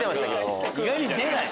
意外に出ない。